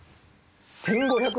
１５００